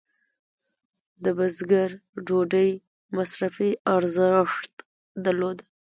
د بزګر ډوډۍ مصرفي ارزښت درلود.